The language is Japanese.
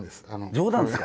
冗談ですか。